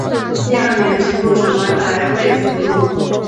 第二年全部成为北魏俘虏。